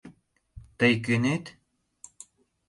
Тый кӧнет?